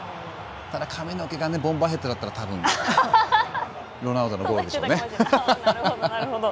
ただ髪の毛がボンバーヘッドだった多分ロナウドのゴールでしょうね。